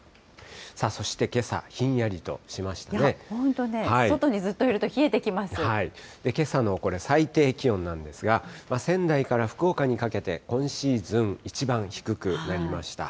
そしてけさ、本当ね、外にずっといると冷けさのこれ、最低気温なんですが、仙台から福岡にかけて今シーズン一番低くなりました。